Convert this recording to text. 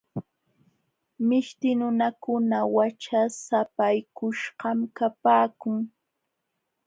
Mishti nunakuna wachasapaykuśhqam kapaakun.